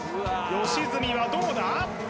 良純はどうだ？